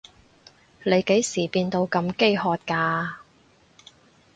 你幾時變到咁飢渴㗎？